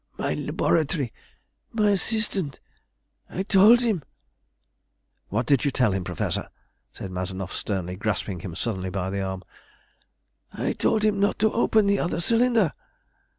My laboratory! My assistant I told him" "What did you tell him, Professor?" said Mazanoff sternly, grasping him suddenly by the arm. "I told him not to open the other cylinder."